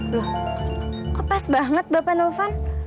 loh kok pas banget bapak nelfan